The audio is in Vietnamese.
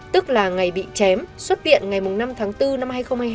tức là ngày bị chém xuất viện ngày năm tháng bốn năm hai nghìn hai mươi hai